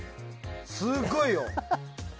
すごいよ！